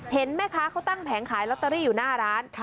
เห็นแม่ค้าเขาตั้งแผงขายลอตเตอรี่อยู่หน้าร้าน